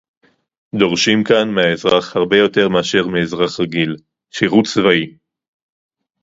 דורשים כאן מהאזרח הרבה יותר מאשר מאזרח רגיל: שירות צבאי